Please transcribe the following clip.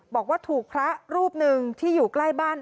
บอกว่าถูกพระรูปหนึ่งที่อยู่ใกล้บ้าน